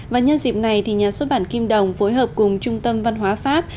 và nhân dịp này nhà xuất bản kim đồng phối hợp cùng trung tâm văn hóa pháp